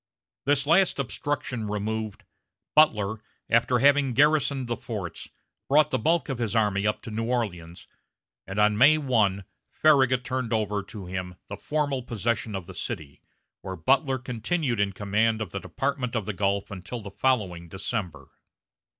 This last obstruction removed, Butler, after having garrisoned the forts, brought the bulk of his army up to New Orleans, and on May 1 Farragut turned over to him the formal possession of the city, where Butler continued in command of the Department of the Gulf until the following December.